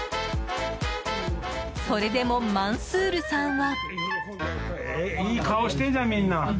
それでも、マンスールさんは。